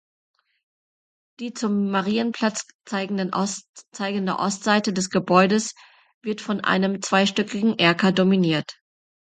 Die zum Marienplatz zeigende Ostseite des Gebäudes wird von einem zweistöckigen Erker dominiert.